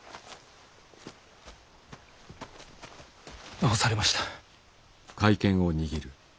どうされました？